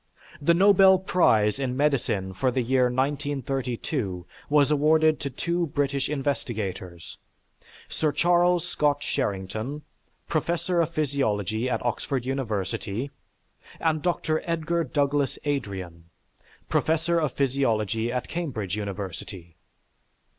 The Nobel prize in medicine for the year 1932 was awarded to two British investigators, Sir Charles Scott Sherrington, professor of physiology at Oxford University, and Dr. Edgar Douglas Adrian, professor of physiology at Cambridge University.